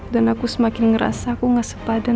dan aku semakin ngerasa aku gak sepadan